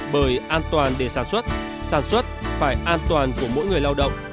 bởi an toàn để sản xuất sản xuất phải an toàn của mỗi người lao động